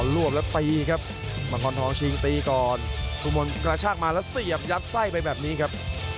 วบแล้วตีครับมังคอนทองชิงตีก่อนคุณมนต์กระชากมาแล้วเสียบยัดไส้ไปแบบนี้ครับ